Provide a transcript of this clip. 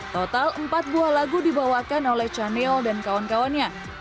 total empat buah lagu dibawakan oleh chaniel dan kawan kawannya